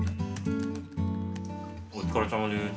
お疲れさまです。